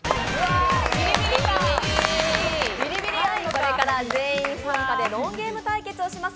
これから全員参加でロンゲーム対決をします。